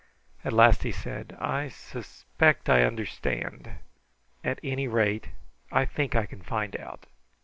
At last he said: "I suspect I understand. At any rate, I think I can find out.